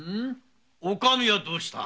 女将はどうした？